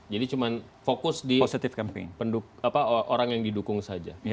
jadi cuma fokus di orang yang didukung saja